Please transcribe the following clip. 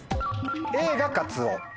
Ａがカツオ。